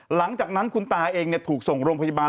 หลังจากนั้นคุณตาเองถูกส่งโรงพยาบาล